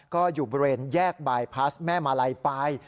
ก็อยู่บริเวณแยกบายพลาสแม่มาลัยปลาย